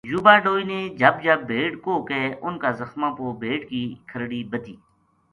یوبا ڈوئی نے جھب جھب بھیڈ کوہ کے اُنھ کا زخماں پو بھیڈ کی کھرڑی بَدھی